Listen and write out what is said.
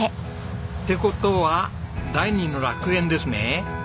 って事は第二の楽園ですね。